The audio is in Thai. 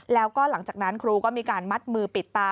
แล้วก็หลังจากนั้นครูก็มีการมัดมือปิดตา